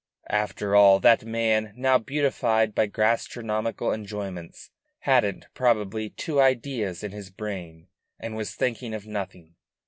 After all, that man, now beatified by gastronomical enjoyments, hadn't probably two ideas in his brain, and was thinking of nothing.